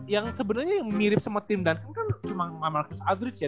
yang sebenarnya mirip sama tim duncan kan cuma marcus aldridge ya